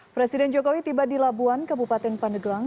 presiden jokowi tiba di labuan kabupaten pandeglang